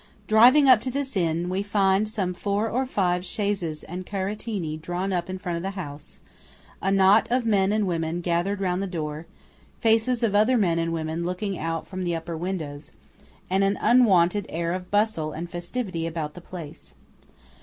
Driving up to this inn, we find some four or five chaises and carettini drawn up in front of the house; a knot of men and women gathered round the door; faces of other men and women looking out from the upper windows; and an unwonted air of bustle and festivity about the place.